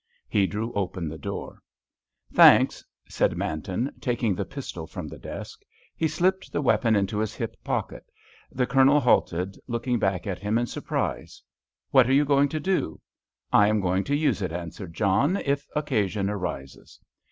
He drew open the door. "Thanks," said Manton, taking the pistol from the desk. He slipped the weapon into his hip pocket. The Colonel halted, looking back at him in surprise. "What are you going to do?" "I am going to use it," answered John, "if occasion arises."